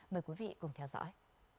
mời quý vị cùng theo dõi